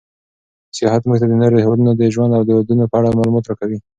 سیاحت موږ ته د نورو هېوادونو د ژوند او دودونو په اړه معلومات راکوي.